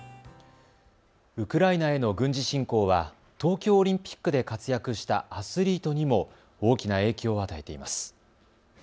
ウクライナへの軍事侵攻は東京オリンピックで活躍したアスリートにも大きな影響を与えています。